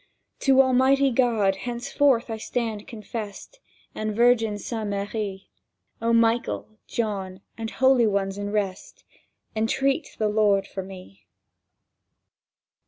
To Almighty God henceforth I stand confessed, And Virgin Saint Marie; O Michael, John, and Holy Ones in rest, Entreat the Lord for me!